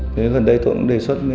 thế gần đây tôi cũng đề xuất